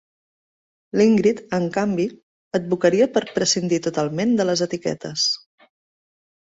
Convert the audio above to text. L'Ingrid, en canvi, advocaria per prescindir totalment de les etiquetes.